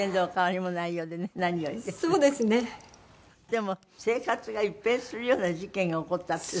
でも生活が一変するような事件が起こったって。